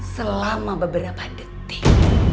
selama beberapa detik